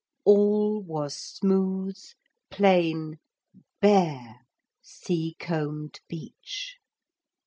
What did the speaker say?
All was smooth, plain, bare sea combed beach.